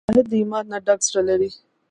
مجاهد د ایمان نه ډک زړه لري.